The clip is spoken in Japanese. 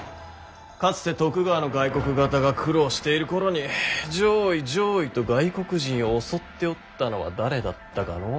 かつて徳川の外国方が苦労している頃に攘夷攘夷と外国人を襲っておったのは誰だったかのう。